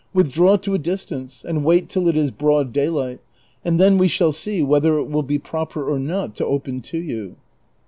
Withdraw to a distance, and wait till it is broad daylight, and then we shall see whether it Avill be })roper or not to open to you."